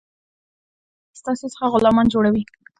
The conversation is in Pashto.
ستاسي څخه غلامان جوړوي.